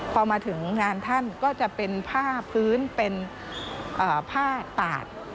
พอมาถึงงานท่านก็จะเป็นผ้าพื้นเป็นผ้าตาด